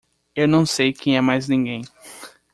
Eu não sei quem é mais ninguém!